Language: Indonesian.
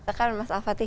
tekan mas al fatih